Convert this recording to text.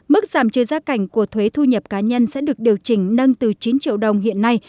mức giảm trừ gia cảnh của thuế thu nhập cá nhân sẽ được điều chỉnh nâng từ chín triệu đồng hiện nay